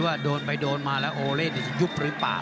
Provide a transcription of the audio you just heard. ว่าโดนไปโดนมาแล้วโอเล่นีจะยุบหรือเปล่า